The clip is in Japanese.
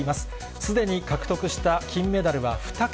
すでに獲得した金メダルは２桁。